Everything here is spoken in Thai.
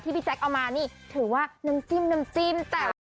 ที่พี่แจ๊คเอามานี่ถือว่าน้ำจิ้มแต่ว่า